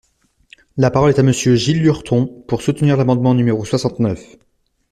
La parole est à Monsieur Gilles Lurton, pour soutenir l’amendement numéro soixante-neuf.